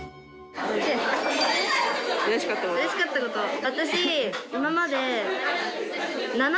うれしかったこと。